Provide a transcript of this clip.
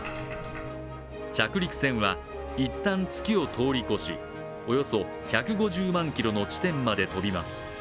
着陸船はいったん月を通り越し、およそ１５０万キロの地点まで飛びます。